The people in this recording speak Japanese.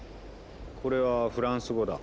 これはフランス語だ。